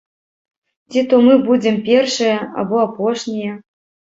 Ці то мы будзем першыя, або апошнія?